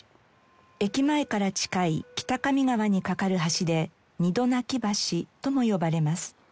駅前から近い北上川に架かる橋で二度泣き橋とも呼ばれます。